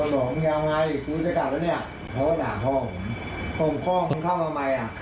แล้วเขาก็ขอโทษผม